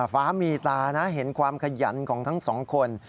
ฟ้ามีตานะเห็นความขยันของทั้งสองคน